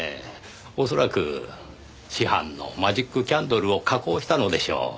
恐らく市販のマジックキャンドルを加工したのでしょう。